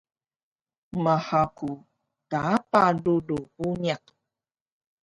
Maha ku taapa rulu puniq